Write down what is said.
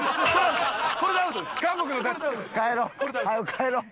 帰ろう。